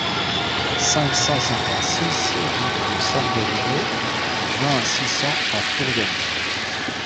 cinq cent cinquante-six route de San Gavino, vingt, six cents à Furiani